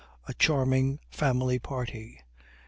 A charming family party.